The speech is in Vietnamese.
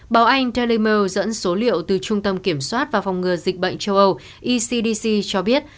báo anh daly mail dẫn số liệu từ trung tâm kiểm soát và phòng ngừa dịch bệnh châu âu ecdc cho biết